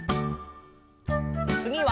つぎは。